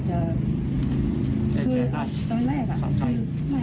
ใช่ได้สนใจ